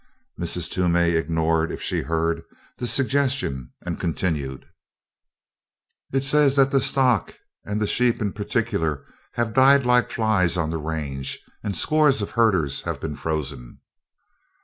Mrs. Toomey ignored, if she heard, the suggestion, and continued: "It says that the stock, and the sheep in particular, have died like flies on the range, and scores of herders have been frozen."